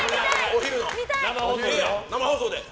生放送で！